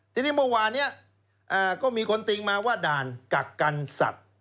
ทีนี้เมื่อวานนี้ก็มีคนติ้งมาว่าด่านกักกันสัตว์